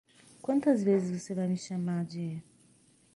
Quantas vezes você vai me chamar de?